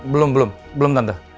belum belum belum tante